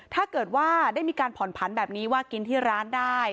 ถ้าเกิดว่าได้มีการผ่อนผันแบบนี้ว่ากินที่ร้านได้